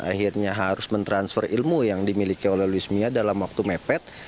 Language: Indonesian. akhirnya harus mentransfer ilmu yang dimiliki oleh luis mia dalam waktu mepet